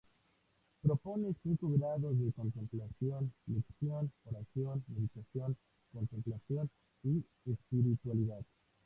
Propone cinco grados de contemplación: lección, oración, meditación, contemplación y espiritualidad.